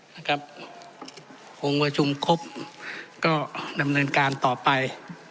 นะครับองค์วัชชุมครบก็ดำเนินการต่อไป